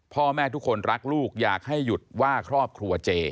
พ่อแม่ทุกคนรักลูกอยากให้หยุดว่าครอบครัวเจ